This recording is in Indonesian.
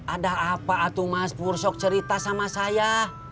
ada apa atu mas pur sok cerita sama saya